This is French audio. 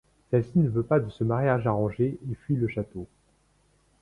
Celle-ci ne veut pas de ce mariage arrangé et fuit le château.